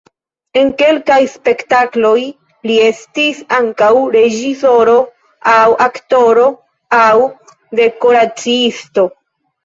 En kelkaj spektakloj li estis ankaŭ reĝisoro aŭ aktoro aŭ dekoraciisto.